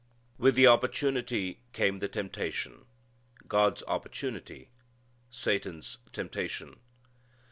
With the opportunity came the temptation: God's opportunity; Satan's temptation.